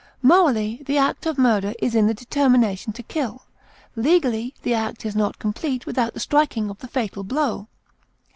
Morally, the act of murder is in the determination to kill; legally, the act is not complete without the striking of the fatal blow.